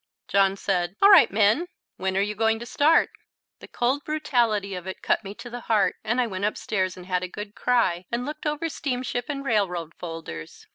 John said, "All right, Minn. When are you going to start?" The cold brutality of it cut me to the heart, and I went upstairs and had a good cry and looked over steamship and railroad folders.